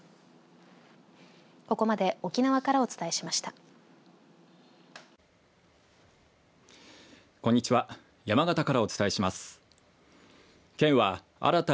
ここまで沖縄からお伝えしました。